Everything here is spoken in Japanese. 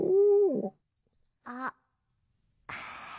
あっ。